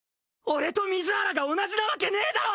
俺と水原が同じなわけねぇだろ！